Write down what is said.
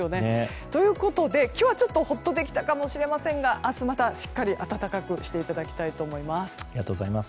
ということで今日はほっとできたかもしれませんが明日またしっかり暖かくしていただきたいと思います。